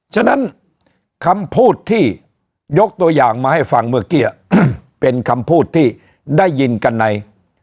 ฉะนั้นคำพูดที่ยกตัวอย่างมาให้ฟังเมื่อกี้เป็นคำพูดที่ได้ยินกันใน